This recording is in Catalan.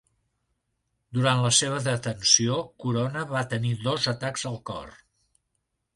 Durant la seva detenció Corona va tenir dos atacs al cor.